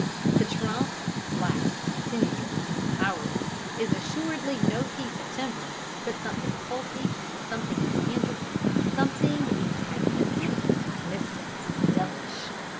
The trunk, black, sinuous, towering, is assuredly no piece of timber, but something pulpy, something intangible, something antagonistic, mystic, devilish.